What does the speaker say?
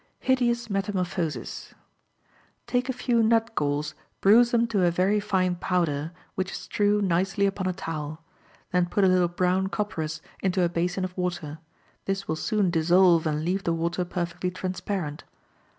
Hideous Metamorphosis.—Take a few nut galls, bruise them to a very fine powder, which strew nicely upon a towel; then put a little brown copperas into a basin of water; this will soon dissolve and leave the water perfectly transparent.